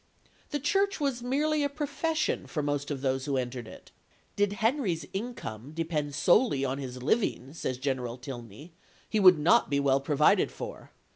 The Church was merely a profession for most of those who entered it. "Did Henry's income depend solely on his living," says General Tilney, "he would not be well provided for.